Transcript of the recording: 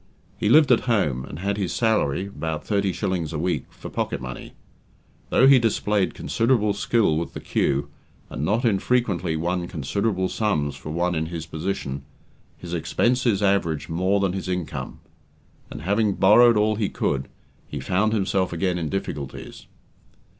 He lived at home, and had his salary about thirty shillings a week for pocket money. Though he displayed considerable skill with the cue, and not infrequently won considerable sums for one in his position, his expenses averaged more than his income; and having borrowed all he could, he found himself again in difficulties.